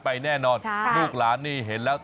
แน่นอนลูกหลานนี่เห็นแล้ว